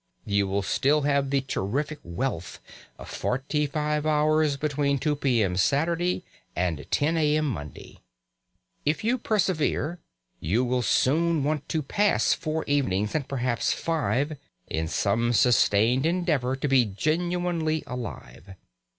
You will still have the terrific wealth of forty five hours between 2 p.m. Saturday and 10 a.m. Monday. If you persevere you will soon want to pass four evenings, and perhaps five, in some sustained endeavour to be genuinely alive.